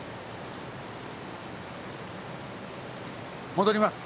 戻ります。